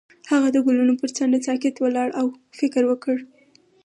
هغه د ګلونه پر څنډه ساکت ولاړ او فکر وکړ.